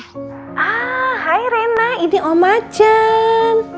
hai rena ini om achan